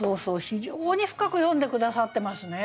非常に深く読んで下さってますね。